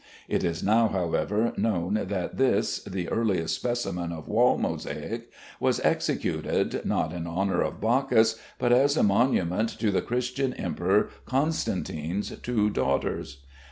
It is now, however, known that this, the earliest specimen of wall mosaic, was executed not in honor of Bacchus, but as a monument to the Christian Emperor Constantine's two daughters.